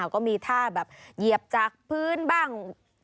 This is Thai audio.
ก็มีท่าแบบเหยียบจากพื้นบ้าง